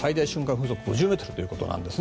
風速５０メートルということです。